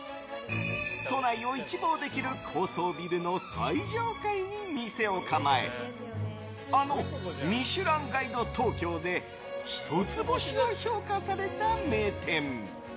都内を一望できる高層ビルの最上階に店を構えあの「ミシュランガイド東京」で一つ星を評価された名店。